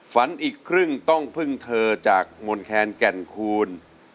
อีกครึ่งต้องพึ่งเธอจากมนแคนแก่นคูณ